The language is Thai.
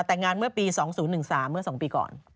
แต่งงานเมื่อปี๒๐๑๓เมื่อ๒ปีก่อน